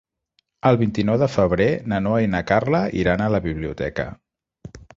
El vint-i-nou de febrer na Noa i na Carla iran a la biblioteca.